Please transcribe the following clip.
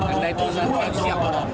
anda itu pesan yang siap